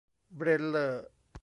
เบรลเลอร์